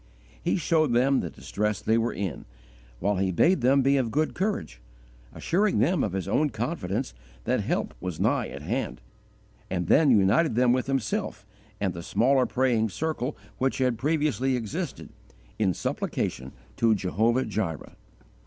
He showed them the distress they were in, while he bade them be of good courage, assuring them of his own confidence that help was nigh at hand, and then united them with himself and the smaller praying circle which had previously existed, in supplication to Jehovah Jireh.